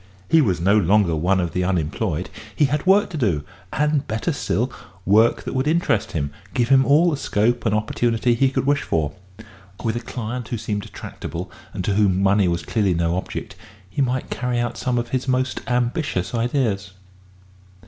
He was no longer one of the unemployed: he had work to do, and, better still, work that would interest him, give him all the scope and opportunity he could wish for. With a client who seemed tractable, and to whom money was clearly no object, he might carry out some of his most ambitious ideas.